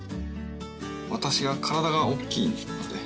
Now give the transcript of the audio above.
私は体が大きいので。